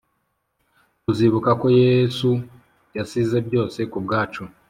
tuzibuka ko Yesu yasize byose ku bwacu